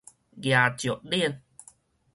夯石碾